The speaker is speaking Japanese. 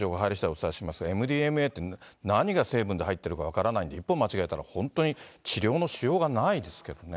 お伝えしますが、ＭＤＭＡって何が成分で入ってるか分からないんで、一歩間違えたら、本当に治療のしようがないですけどね。